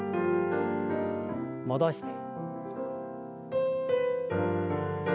戻して。